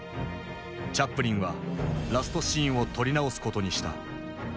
チャップリンはラストシーンを撮り直すことにした。